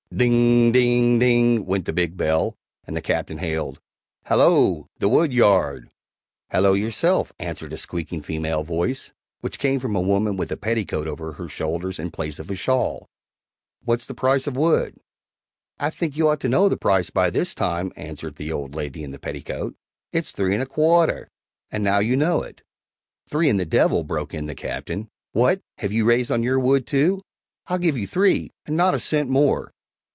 Ding ding ding! went the big bell, and the Captain hailed: "Hallo! the woodyard!" "Hallo yourself!" answered a squeaking female voice, which came from a woman with a petticoat over her shoulders in place of a shawl. "What's the price of wood?" "I think you ought to know the price by this time," answered the old lady in the petticoat; "it's three and a qua a rter! and now you know it." "Three and the d l!" broke in the Captain. "What, have you raised on your wood, too? I'll give you three, and not a cent more."